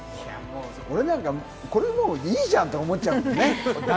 俺なんか、これでもう、いいじゃんと思っちゃうもんね。